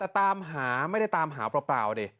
ที่ไม่ได้ตามหาพราบ